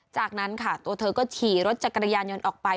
จากนั้นค่ะตัวเธอก็ขี่รถจักรยานยนต์ออกไป